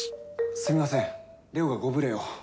すみませんレオがご無礼を。